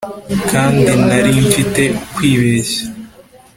Kandi nari mfite kwibeshya